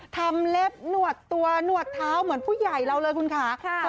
เล็บหนวดตัวหนวดเท้าเหมือนผู้ใหญ่เราเลยคุณค่ะ